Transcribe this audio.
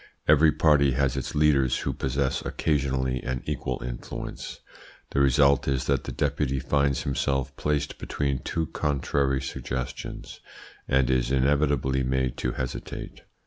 Every party has its leaders, who possess occasionally an equal influence. The result is that the Deputy finds himself placed between two contrary suggestions, and is inevitably made to hesitate.